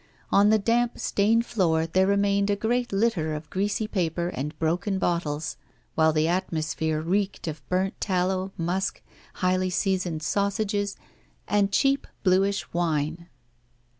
On the damp, stained floor there remained a great litter of greasy paper and broken bottles; while the atmosphere reeked of burnt tallow, musk, highly seasoned sausages, and cheap bluish wine.